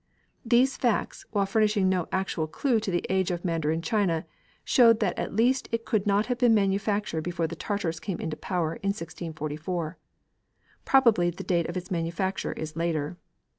These facts, while furnishing no actual clue to the age of Mandarin china, showed that at least it could not have been manufactured before the Tartars came into power in 1644. Probably the date of its manufacture is later.